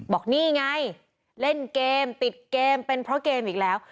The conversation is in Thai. บอกนี่ไงเล่นเกมติดเกมเป็นเพราะเกมอีกแล้ว